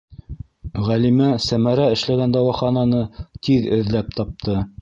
Ғәлимә Сәмәрә эшләгән дауахананы тиҙ эҙләп тапты.